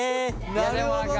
なるほどね。